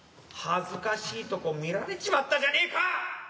恥ずかしいとこ見られちまったじゃねぇか！